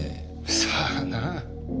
さあな。